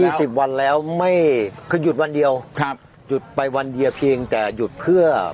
สิบวันแล้วไม่คือหยุดวันเดียวครับหยุดไปวันเดียวเพียงแต่หยุดเพื่อ